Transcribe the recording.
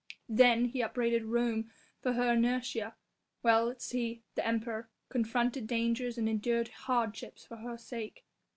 Then he upbraided Rome for her inertia whilst he, the Emperor, confronted dangers and endured hardships for her sake.